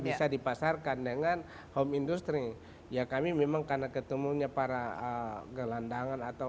bisa dipasarkan dengan home industry ya kami memang karena ketemunya para gelandangan atau